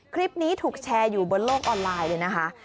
คลิปนี้ถูกแชร์อยู่บนโลกออนไลน์เลยนะคะ